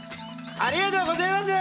ありがとうごぜます！